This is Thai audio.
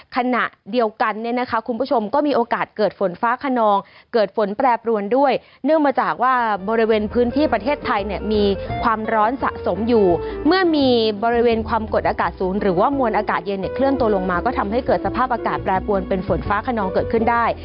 ขณะเดียวกันเนี่ยนะคะคุณผู้ชมก็มีโอกาสเกิดฝนฟ้าขนองเกิดฝนแปรปรวนด้วยเนื่องมาจากว่าบริเวณพื้นที่ประเทศไทยเนี่ยมีความร้อนสะสมอยู่เมื่อมีบริเวณความกดอากาศสูงหรือว่ามวลอากาศเย็นเนี่ยเคลื่อนตัวลงมาก็ทำให้เกิดสภาพอากาศแปรปวนเป็นฝนฟ้าขนองเกิดขึ้นได้